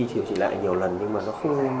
điều trị lại nhiều lần nhưng mà nó không